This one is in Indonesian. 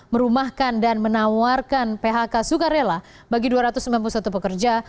merumahkan dan menawarkan phk sukarela bagi dua ratus sembilan puluh satu pekerja